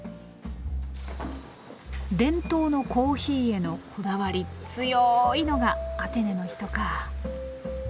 伝統のコーヒーへのこだわり強いのがアテネの人か。